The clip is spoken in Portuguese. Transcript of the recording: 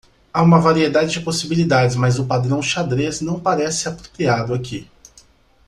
Há uma variedade de possibilidades, mas o padrão xadrez não parece apropriado aqui.